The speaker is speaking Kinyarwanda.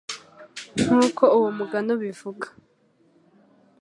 nk uko uwo mugani ubivuga